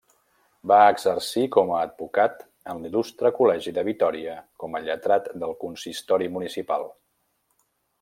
Va exercir com advocat en l'Il·lustre Col·legi de Vitòria com a lletrat del Consistori Municipal.